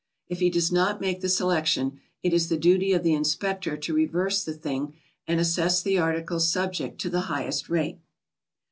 If he does not make the selection, it is the duty of the 'inspector to reverse the thing and assess the articles subject to the highest rate.